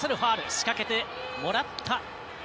仕掛けてもらった。